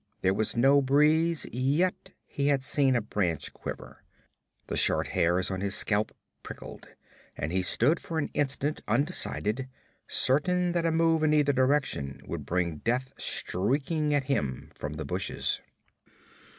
There was no breeze, yet he had seen a branch quiver. The short hairs on his scalp prickled, and he stood for an instant undecided, certain that a move in either direction would bring death streaking at him from the bushes.